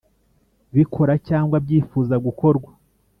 bikora cyangwa byifuza gukorwa